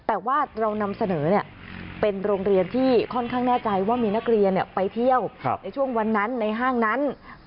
แต่ว่าเรานำเสนอเป็นโรงเรียนที่ค่อนข้างแน่ใจว่ามีนักเรียนไปเที่ยวในช่วงวันนั้นในห้างนั้น